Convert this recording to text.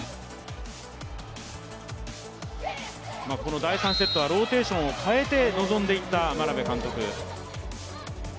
この第３セットはローテーションを変えて臨んでいった眞鍋監督。